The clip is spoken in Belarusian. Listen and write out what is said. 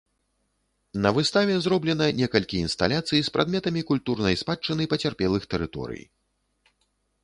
На выставе зроблена некалькі інсталяцый з прадметамі культурнай спадчыны пацярпелых тэрыторый.